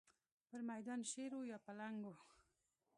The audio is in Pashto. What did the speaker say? پر مېدان شېر و یا پلنګ و.